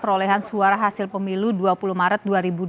perolehan suara hasil pemilu dua puluh maret dua ribu dua puluh